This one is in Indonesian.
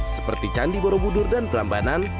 seperti candi borobudur dan prambanan